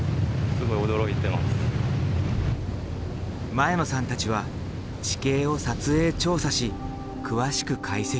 前野さんたちは地形を撮影調査し詳しく解析。